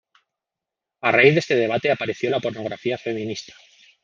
A raíz de este debate apareció la pornografía feminista.